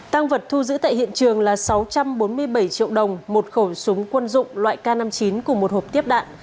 tăng vật thu giữ tại hiện trường là sáu trăm bốn mươi bảy triệu đồng một khẩu súng quân dụng loại k năm mươi chín cùng một hộp tiếp đạn